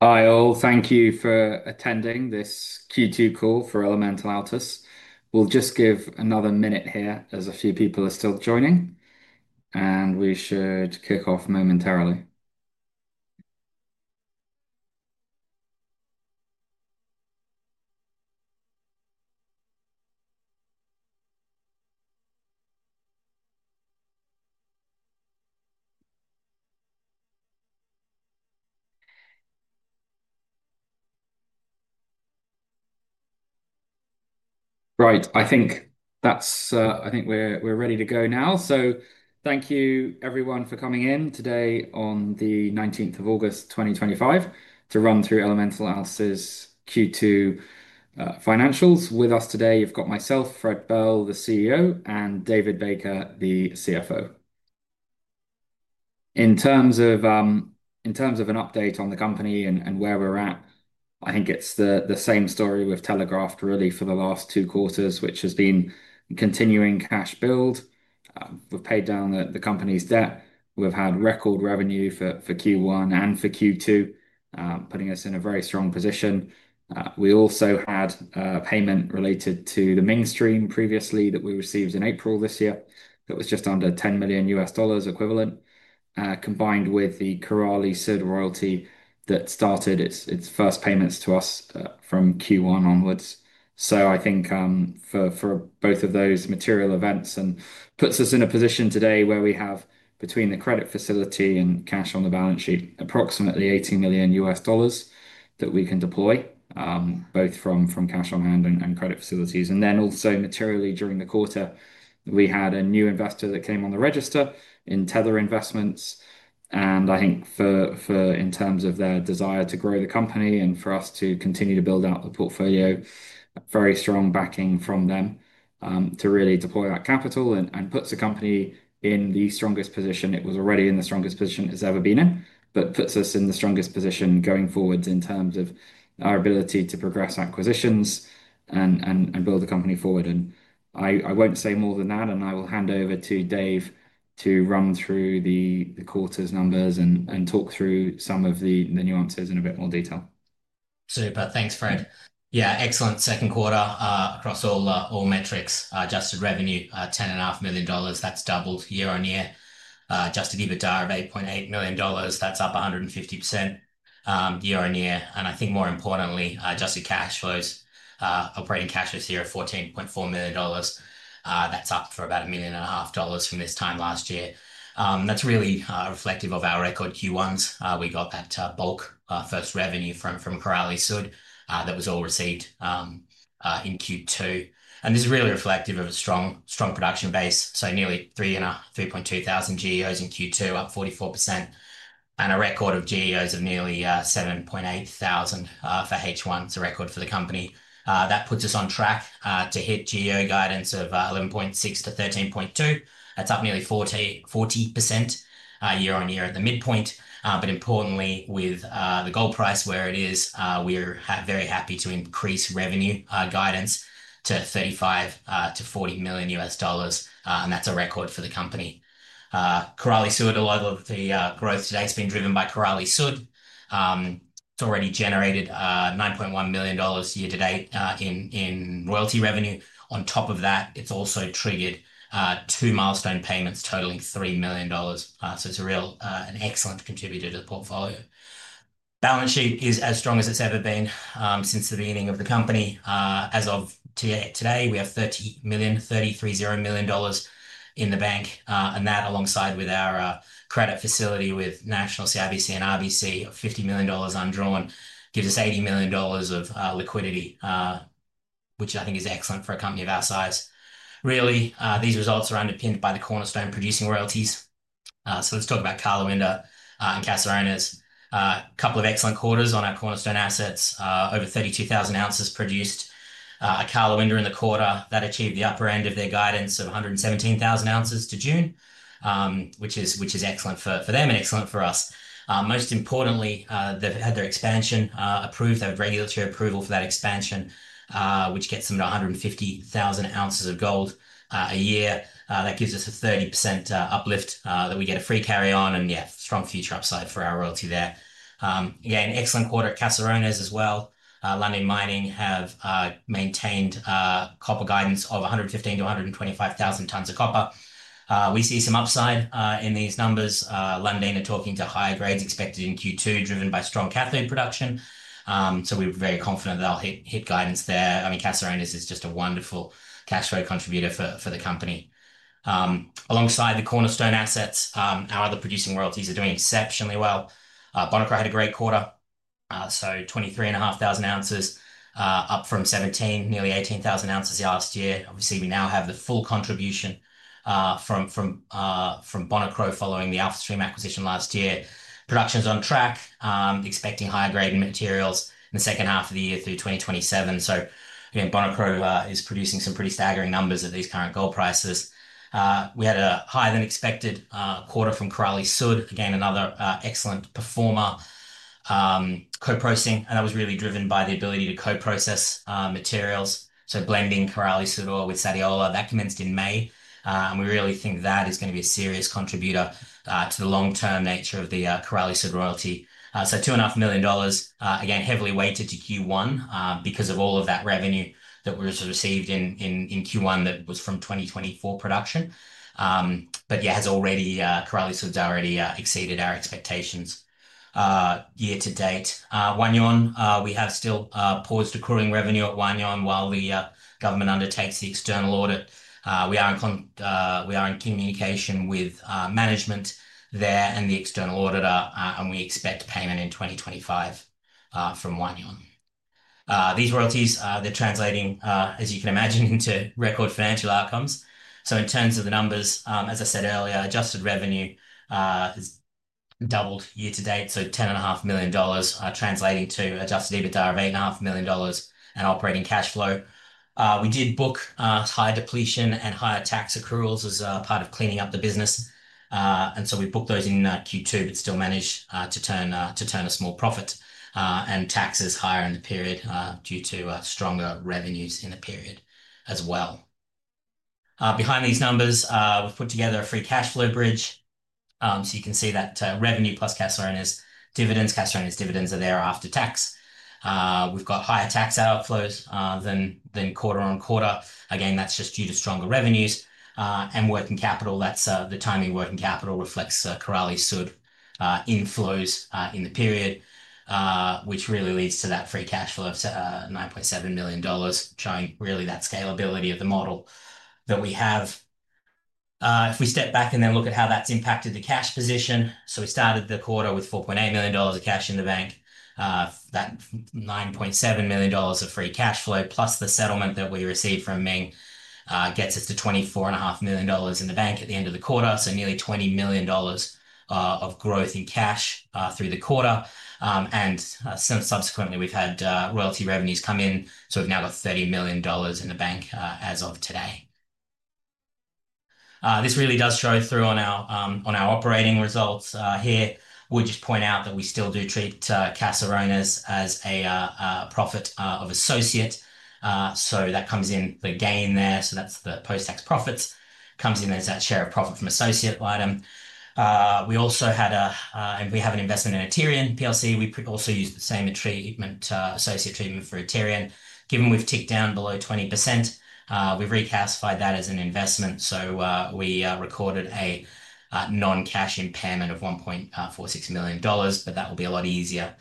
Hi, all. Thank you for attending this Q2 call for Elemental Altus. We'll just give another minute here as a few people are still joining, and we should kick off momentarily. I think we're ready to go now. Thank you everyone for coming in today on the 19th of August, 2025, to run through Elemental Altus Q2 financials. With us today, you've got myself, Frederick Bell, the CEO, and David Baker, the CFO. In terms of an update on the company and where we're at, I think it's the same story we've telegraphed really for the last two quarters, which has been continuing cash build. We've paid down the company's debt. We've had record revenue for Q1 and for Q2, putting us in a very strong position. We also had a payment related to the mainstream previously that we received in April this year that was just under $10 million equivalent, combined with the Korali-Sud royalty that started its first payments to us from Q1 onwards. I think for both of those material events, it puts us in a position today where we have, between the credit facility and cash on the balance sheet, approximately $80 million that we can deploy, both from cash on hand and credit facilities. Also materially during the quarter, we had a new investor that came on the register in Tether Investments. I think in terms of their desire to grow the company and for us to continue to build out the portfolio, very strong backing from them to really deploy that capital and puts the company in the strongest position. It was already in the strongest position it's ever been in, but puts us in the strongest position going forward in terms of our ability to progress acquisitions and build the company forward. I won't say more than that, and I will hand over to Dave to run through the quarter's numbers and talk through some of the nuances in a bit more detail. Super, thanks Fred. Yeah, excellent second quarter across all metrics. Adjusted revenue, $10.5 million, that's doubled year-on-year. Adjusted EBITDA of $8.8 million, that's up 150% year-on-year. I think more importantly, adjusted cash flows, operating cash flows here at $14.4 million, that's up about $1.5 million from this time last year. That's really reflective of our record Q1s. We got that bulk first revenue from Korali-Sud that was all received in Q2. This is really reflective of a strong production base. Nearly 3.2 thousand GEOs in Q2, up 44%. A record of GEOs of nearly 7.8 thousand for H1, it's a record for the company. That puts us on track to hit GEO guidance of 11.6-13.2 thousand. That's up nearly 40% year-on-year at the midpoint. With the gold price where it is, we're very happy to increase revenue guidance to $35 million-$40 million. That's a record for the company. Korali-Sud, a lot of the growth today has been driven by Korali-Sud. It's already generated $9.1 million year to date in royalty revenue. On top of that, it's also triggered two milestone payments totaling $3 million. It's a real, an excellent contributor to the portfolio. Balance sheet is as strong as it's ever been since the beginning of the company. As of today, we have $30 million, $3-0 million in the bank. That, alongside with our credit facility with CIBC and RBC, $50 million undrawn, gives us $80 million of liquidity, which I think is excellent for a company of our size. These results are underpinned by the Cornerstone producing royalties. Let's talk about Karlawinda and Caserones. A couple of excellent quarters on our Cornerstone assets, over 32,000 ounces produced. At Karlawinda in the quarter, that achieved the upper end of their guidance of 117,000 ounces to June, which is excellent for them and excellent for us. Most importantly, they've had their expansion approved. They have regulatory approval for that expansion, which gets them to 150,000 ounces of gold a year. That gives us a 30% uplift that we get a free carry on and, yeah, strong future upside for our royalty there. An excellent quarter at Caserones as well. Lundin Mining have maintained copper guidance of 115-125 thousand tons of copper. We see some upside in these numbers. Lundin are talking to higher grades expected in Q2, driven by strong cathode production. We're very confident that I'll hit guidance there. Caserones is just a wonderful cash flow contributor for the company. Alongside the Cornerstone assets, our other producing royalties are doing exceptionally well. Bonikro had a great quarter, so 23,500 ounces, up from 17,000, nearly 18,000 ounces last year. Obviously, we now have the full contribution from Bonikro following the AlphaStream acquisition last year. Production's on track, expecting higher grade materials in the second half of the year through 2027. Bonikro is producing some pretty staggering numbers at these current gold prices. We had a higher than expected quarter from Korali-Sud, again another excellent performer. Co-processing, and that was really driven by the ability to co-process materials. Blending Korali-Sud with Sadiola, that commenced in May. We really think that is going to be a serious contributor to the long-term nature of the Korali-Sud royalty. $2.5 million, again heavily weighted to Q1 because of all of that revenue that was received in Q1 that was from 2024 production. Korali-Sud already exceeded our expectations year to date. Wahgnion, we have still paused accruing revenue at Wahgnion while the government undertakes the external audit. We are in communication with management there and the external auditor, and we expect payment in 2025 from Wahgnion. These royalties, they're translating, as you can imagine, into record financial outcomes. In terms of the numbers, as I said earlier, adjusted revenue has doubled year to date, so $10.5 million are translating to an adjusted EBITDA of $8.5 million and operating cash flow. We did book higher depletion and higher tax accruals as a part of cleaning up the business. We booked those in Q2, but still managed to turn a small profit and taxes higher in the period due to stronger revenues in the period as well. Behind these numbers, we've put together a free cash flow bridge. You can see that revenue plus Caserones dividends. Caserones dividends are there after tax. We've got higher tax outflows than quarter-on-quarter. That's just due to stronger revenues and working capital. The timing working capital reflects Korali-Sud inflows in the period, which really leads to that free cash flow of $9.7 million, showing really that scalability of the model that we have. If we step back and then look at how that's impacted the cash position, we started the quarter with $4.8 million of cash in the bank. That $9.7 million of free cash flow, plus the settlement that we received from Ming, gets us to $24.5 million in the bank at the end of the quarter. Nearly $20 million of growth in cash through the quarter. Since subsequently, we've had royalty revenues come in. We've now got $30 million in the bank as of today. This really does show through on our operating results here. I'll just point out that we still do treat Caserones as a profit of associate. That comes in the gain there. That's the post-tax profits. It comes in as that share of profit from associate item. We also had a, and we have an investment in Aterian plc. We also use the same treatment, associate treatment for Aterian. Given we've ticked down below 20%, we've reclassified that as an investment. We recorded a non-cash impairment of $1.46 million, but that will be a lot easier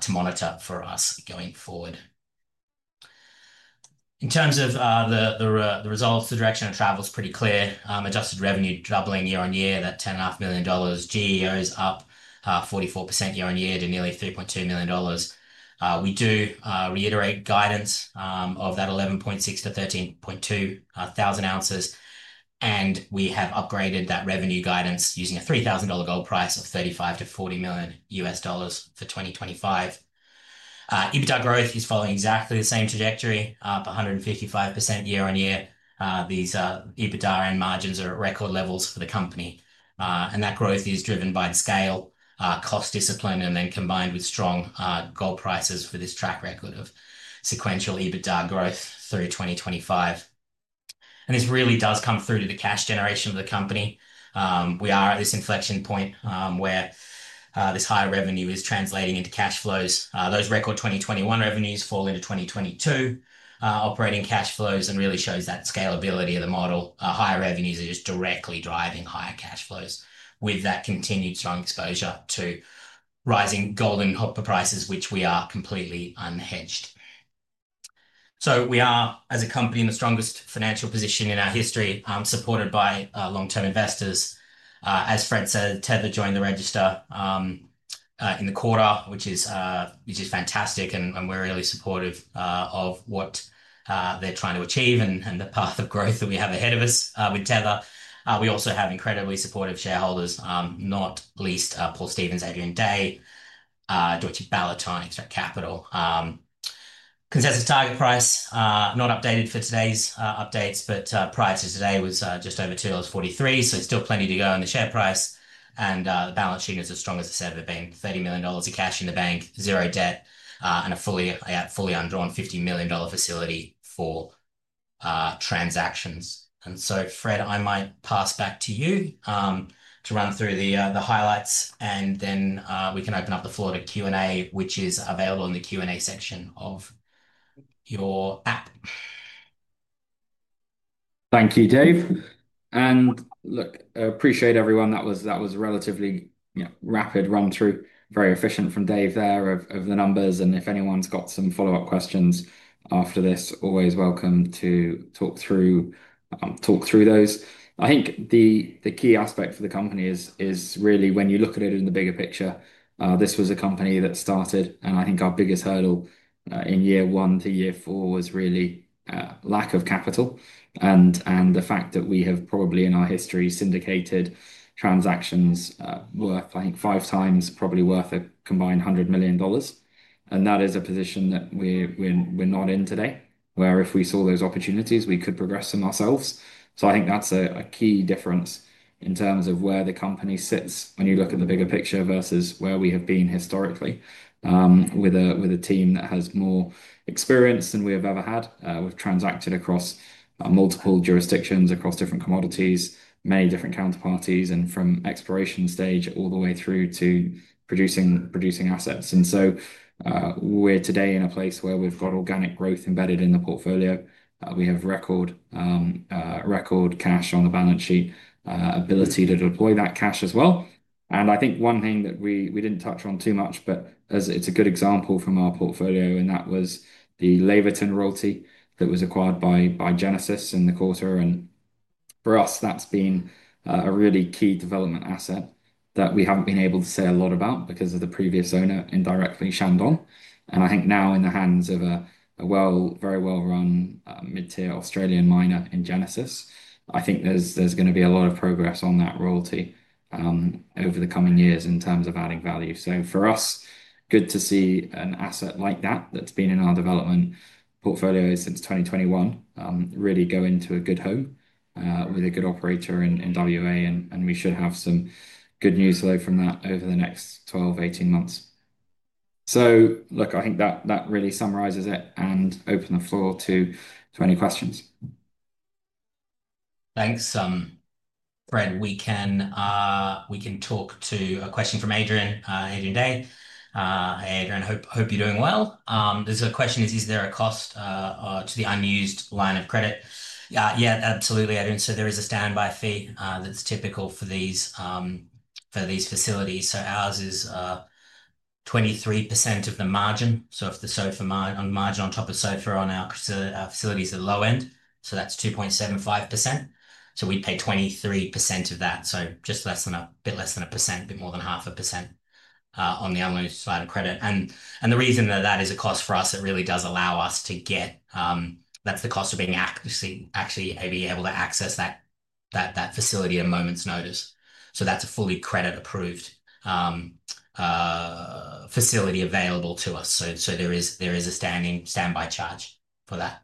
to monitor for us going forward. In terms of the results, the direction of travel is pretty clear. Adjusted revenue doubling year on year, that $10.5 million. GEOs up 44% year-on-year to nearly $3.2 million. We do reiterate guidance of that 11.6-13.2 thousand ounces. We have upgraded that revenue guidance using a $3,000 gold price of $35 million-$40 million for 2025. EBITDA growth is following exactly the same trajectory, up 155% year-on-year. These EBITDA and margins are at record levels for the company. That growth is driven by the scale, cost discipline, and then combined with strong gold prices for this track record of sequential EBITDA growth through 2025. This really does come through to the cash generation of the company. We are at this inflection point where this higher revenue is translating into cash flows. Those record 2021 revenues fall into 2022 operating cash flows and really show that scalability of the model. Higher revenues are just directly driving higher cash flows with that continued strong exposure to rising gold and copper prices, which we are completely unhedged. We are, as a company, in the strongest financial position in our history, supported by long-term investors. As Fred said, Tether Investments joined the register in the quarter, which is fantastic, and we're really supportive of what they're trying to achieve and the path of growth that we have ahead of us with Tether. We also have incredibly supportive shareholders, not least Paul Stevens, Adrian Day, Deutsche Ballotine, Extract Capital. Caserones target price not updated for today's updates, but price of today was just over $2.43, so it's still plenty to go in the share price. The balance sheet is as strong as it's ever been, $30 million in cash in the bank, zero debt, and a fully undrawn $15 million facility for transactions. Fred, I might pass back to you to run through the highlights, and then we can open up the floor to Q&A, which is available in the Q&A section of your app. Thank you, Dave. I appreciate everyone. That was a relatively rapid run-through, very efficient from Dave there of the numbers. If anyone's got some follow-up questions after this, always welcome to talk through those. I think the key aspect for the company is really when you look at it in the bigger picture, this was a company that started, and I think our biggest hurdle in year one to year four was really lack of capital. The fact that we have probably in our history syndicated transactions worth, I think, 5x probably worth a combined $100 million. That is a position that we're not in today, where if we saw those opportunities, we could progress them ourselves. I think that's a key difference in terms of where the company sits when you look at the bigger picture vs where we have been historically, with a team that has more experience than we have ever had. We've transacted across multiple jurisdictions, across different commodities, many different counterparties, and from exploration stage all the way through to producing assets. We're today in a place where we've got organic growth embedded in the portfolio. We have record cash on the balance sheet, ability to deploy that cash as well. I think one thing that we didn't touch on too much, but it's a good example from our portfolio, and that was the Leverton royalty that was acquired by Genesis in the quarter. For us, that's been a really key development asset that we haven't been able to say a lot about because of the previous owner indirectly, Shandong. I think now in the hands of a very well-run mid-tier Australian miner in Genesis, I think there's going to be a lot of progress on that royalty over the coming years in terms of adding value. For us, good to see an asset like that that's been in our development portfolio since 2021 really go into a good home with a good operator in WA, and we should have some good news flow from that over the next 12-18 months. I think that really summarizes it and open the floor to any questions. Thanks, Fred. We can talk to a question from Adrian. Adrian Day, hey Adrian, hope you're doing well. There's a question, is there a cost to the unused line of credit? Yeah, absolutely, Adrian. There is a standby fee that's typical for these facilities. Ours is 23% of the margin. If the margin on top of SOFR on our facilities is our low end, that's 2.75%. We'd pay 23% of that, so just less than a bit less than 1%, a bit more than 0.5% on the unused side of credit. The reason that that is a cost for us, it really does allow us to get, that's the cost of being able to access that facility at a moment's notice. That's a fully credit-approved facility available to us. There is a standing standby charge for that.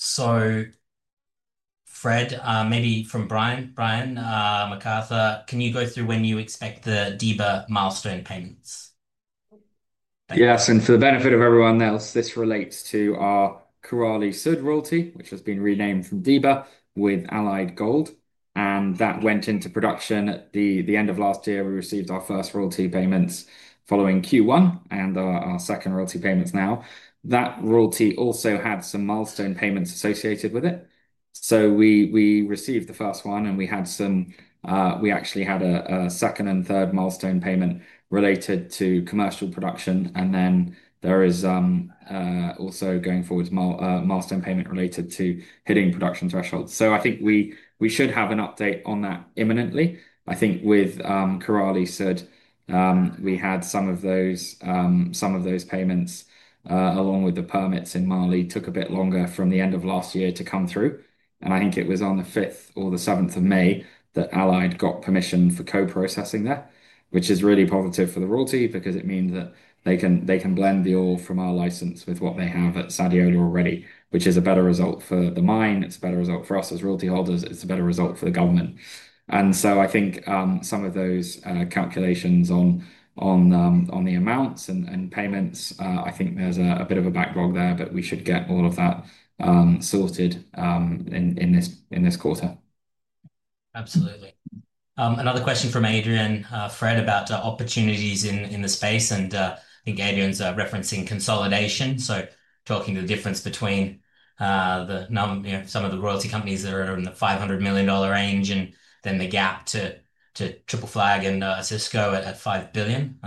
Fred, maybe from Brian MacArthur, can you go through when you expect the Diba milestone payments? Yes, and for the benefit of everyone else, this relates to our Korali-Sud royalty, which has been renamed from Diba with Allied Gold. That went into production at the end of last year. We received our first royalty payments following Q1 and our second royalty payments now. That royalty also had some milestone payments associated with it. We received the first one and we actually had a second and third milestone payment related to commercial production. There is also going forwards milestone payment related to hitting production thresholds. I think we should have an update on that imminently. I think with Korali-Sud, we had some of those payments along with the permits in Mali took a bit longer from the end of last year to come through. I think it was on the 5th or the 7th of May that Allied Gold got permission for coprocessing there, which is really positive for the royalty because it means that they can blend the ore from our license with what they have at Sadiola already, which is a better result for the mine. It's a better result for us as royalty holders. It's a better result for the government. I think some of those calculations on the amounts and payments, there's a bit of a backlog there, but we should get all of that sorted in this quarter. Absolutely. Another question from Adrian, Fred, about opportunities in the space. I think Adrian's referencing consolidation, talking to the difference between some of the royalty companies that are in the $500 million range and then the gap to Triple Flag and Osisko at $5 billion.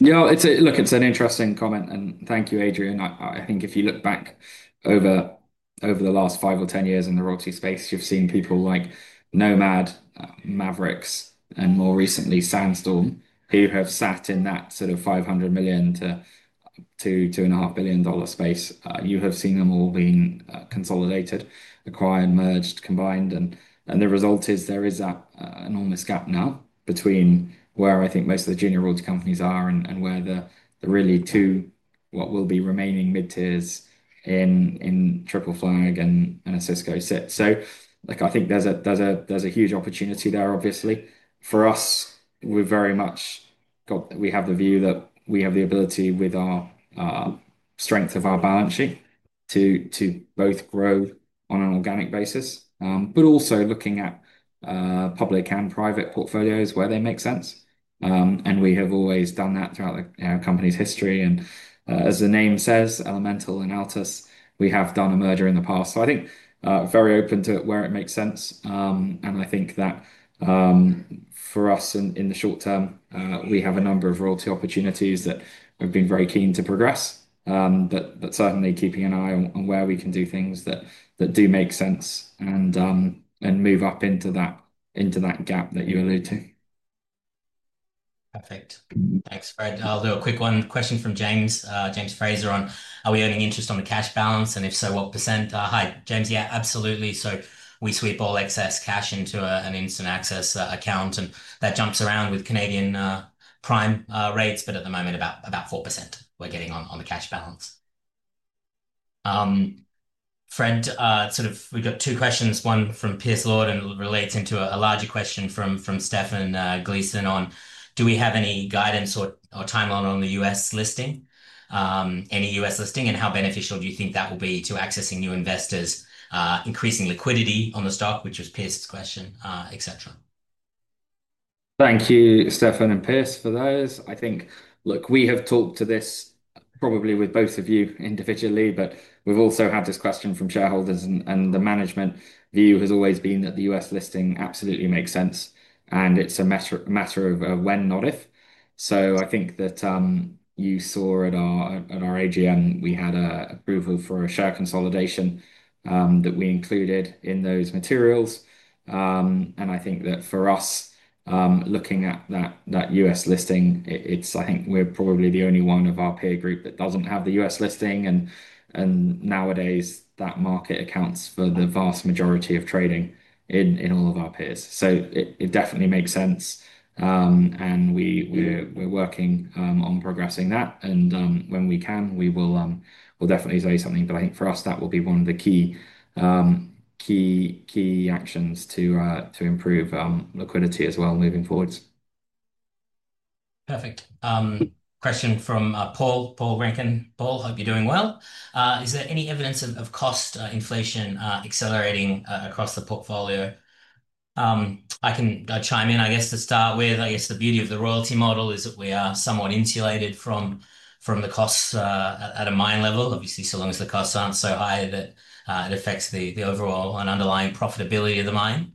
You know, look, it's an interesting comment. Thank you, Adrian. I think if you look back over the last 5 or 10 years in the royalty space, you've seen people like Nomad, Mavericks, and more recently Sandstorm, who have sat in that sort of $500 million to $2.5 billion space. You have seen them all being consolidated, acquired, merged, combined. The result is there is that enormous gap now between where I think most of the junior royalty companies are and where the really two, what will be remaining mid-tiers in Triple Flag and a Osisko sit. I think there's a huge opportunity there, obviously. For us, we've very much got, we have the view that we have the ability with our strength of our balance sheet to both grow on an organic basis, but also looking at public and private portfolios where they make sense. We have always done that throughout our company's history. As the name says, Elemental and Altus, we have done a merger in the past. I think very open to it where it makes sense. I think that for us in the short term, we have a number of royalty opportunities that have been very keen to progress, but certainly keeping an eye on where we can do things that do make sense and move up into that gap that you alluded to. Perfect. Thanks, Fred. I'll do a quick one. Question from James. James Fraser on, are we earning interest on the cash balance? If so, what percent? Hi, James. Yeah, absolutely. We sweep all excess cash into an instant access account, and that jumps around with Canadian prime rates, but at the moment, about 4% we're getting on the cash balance. Fred, we've got two questions. One from Pierce Lord and relates into a larger question from Stefan Gleason on, do we have any guidance or timeline on the U.S. listing? Any U.S. listing and how beneficial do you think that will be to accessing new investors, increasing liquidity on the stock, which was Pierce's question, etc. Thank you, Stefan and Pierce, for those. I think, look, we have talked to this probably with both of you individually, but we've also had this question from shareholders and the management view has always been that the U.S. listing absolutely makes sense and it's a matter of when, not if. I think that you saw at our AGM, we had an approval for a share consolidation that we included in those materials. I think that for us, looking at that U.S. listing, we're probably the only one of our peer group that doesn't have the U.S. listing. Nowadays, that market accounts for the vast majority of trading in all of our peers. It definitely makes sense. We're working on progressing that. When we can, we will definitely say something. I think for us, that will be one of the key actions to improve liquidity as well moving forward. Perfect. Question from Paul. Paul Rankin. Paul, I hope you're doing well. Is there any evidence of cost inflation accelerating across the portfolio? I can chime in, I guess, to start with. The beauty of the royalty model is that we are somewhat insulated from the costs at a mine level. Obviously, so long as the costs aren't so high, it affects the overall and underlying profitability of the mine.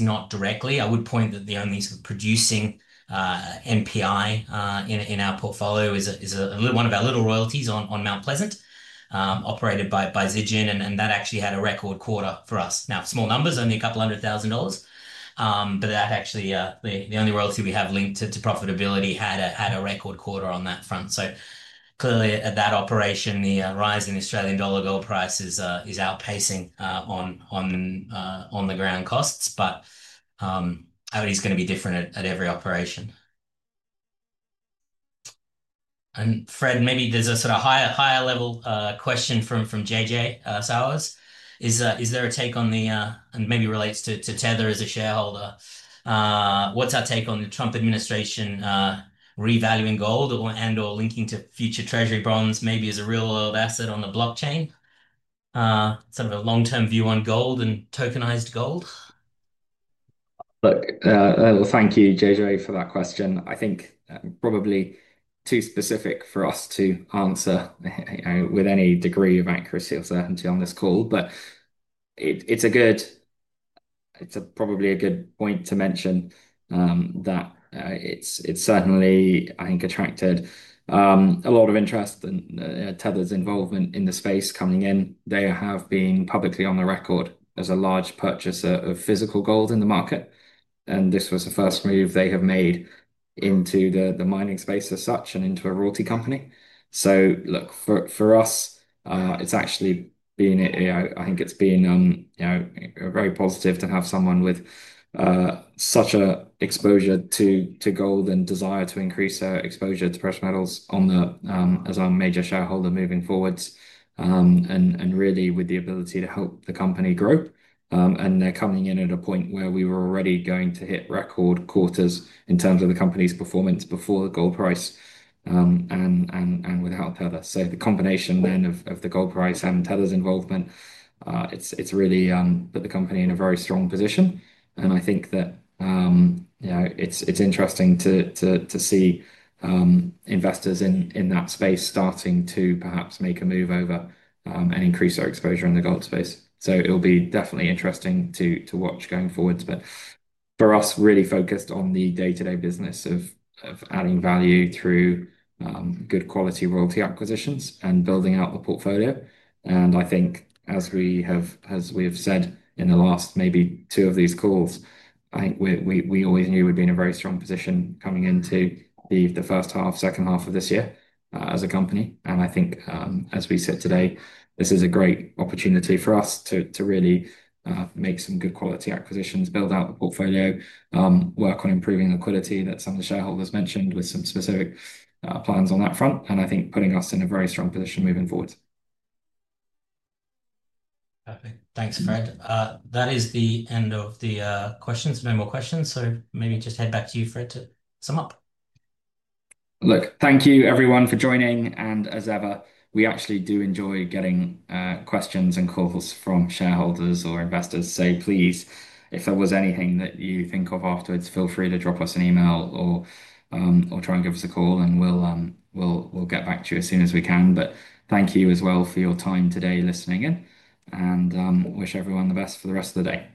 Not directly. I would point that the only sort of producing NPI in our portfolio is one of our little royalties on Mount Pleasant, operated by Zijin. That actually had a record quarter for us. Small numbers, only a couple hundred thousand dollars. That actually, the only royalty we have linked to profitability had a record quarter on that front. Clearly, at that operation, the rise in Australian dollar gold prices is outpacing on the ground costs. It's going to be different at every operation. Fred, maybe there's a sort of higher level question from J.J Sowers. Is there a take on the, and maybe relates to Tether as a shareholder, what's our take on the Trump administration revaluing gold and/or linking to future treasury bonds, maybe as a real-world asset on the blockchain? Sort of a long-term view on gold and tokenized gold. Thank you, JJ, for that question. I think probably too specific for us to answer with any degree of accuracy or certainty on this call. It's probably a good point to mention that it's certainly, I think, attracted a lot of interest in Tether involvement in the space coming in. They have been publicly on the record as a large purchaser of physical gold in the market. This was the first move they have made into the mining space as such and into a royalty company. For us, it's actually been, I think it's been very positive to have someone with such an exposure to gold and desire to increase their exposure to precious metals as our major shareholder moving forward and really with the ability to help the company grow. They're coming in at a point where we were already going to hit record quarters in terms of the company's performance before the gold price and without Tether. The combination then of the gold price and Tether Investments' involvement, it's really put the company in a very strong position. I think that it's interesting to see investors in that space starting to perhaps make a move over and increase their exposure in the gold space. It'll be definitely interesting to watch going forward. For us, really focused on the day-to-day business of adding value through good quality royalty acquisitions and building out the portfolio. I think as we have said in the last maybe two of these calls, I think we always knew we'd be in a very strong position coming into the first half, second half of this year as a company. I think as we sit today, this is a great opportunity for us to really make some good quality acquisitions, build out the portfolio, work on improving liquidity that some of the shareholders mentioned with some specific plans on that front. I think putting us in a very strong position moving forward. Perfect. Thanks, Fred. That is the end of the questions. No more questions. Maybe just head back to you, Fred, to sum up. Thank you everyone for joining. As ever, we actually do enjoy getting questions and calls from shareholders or investors. Please, if there is anything that you think of afterwards, feel free to drop us an email or try and give us a call and we'll get back to you as soon as we can. Thank you as well for your time today listening in and wish everyone the best for the rest of the day.